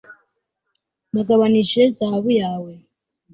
nagabanije zahabu yawe